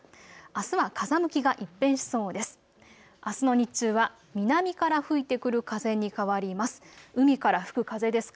あすの日中は南から吹いてくる風に変わります。